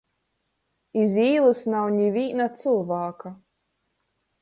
Iz īlys nav nivīna cylvāka.